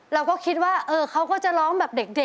เราก็คิดว่าเขาก็จะร้องแบบเด็ก